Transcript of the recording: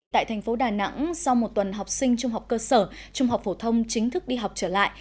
tại thành phố đà nẵng sau một tuần học sinh trung học cơ sở trung học phổ thông chính thức đi học trở lại